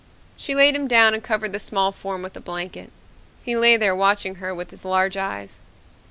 She laid him down and covered the small form with a blanket. He lay there watching her with his large eyes.